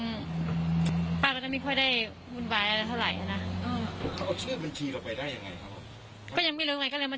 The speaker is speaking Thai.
ไม่เคยนะมันก็จะคืนให้เขาทุกค่ามิสาเลียมให้เรา